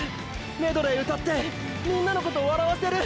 メドレーうたってみんなのこと笑わせる。